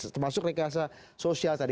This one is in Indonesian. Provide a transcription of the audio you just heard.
termasuk rekayasa sosial tadi